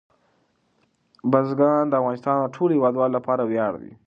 بزګان د افغانستان د ټولو هیوادوالو لپاره ویاړ دی.